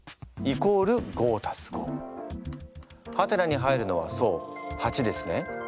１＋９＝？＋２＝５＋５。？に入るのはそう８ですね。